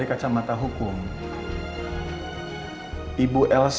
iya pak amar berpihak kepada bu andin